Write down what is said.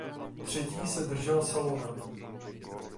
Třetí se držel Salonen.